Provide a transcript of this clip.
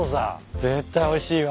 絶対おいしいわ。